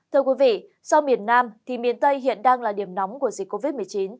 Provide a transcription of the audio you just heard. sau miền nam miền tây hiện đang là điểm nóng của dịch covid một mươi chín